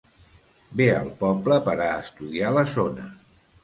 Ve al poble per a estudiar la zona.